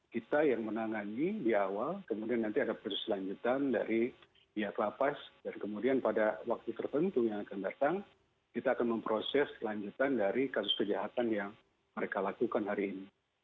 kita yang menangani di awal kemudian nanti ada proses lanjutan dari pihak lapas dan kemudian pada waktu tertentu yang akan datang kita akan memproses kelanjutan dari kasus kejahatan yang mereka lakukan hari ini